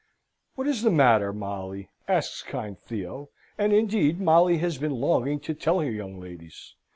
"What is the matter, Molly?" asks kind Theo: and indeed, Molly has been longing to tell her young ladies.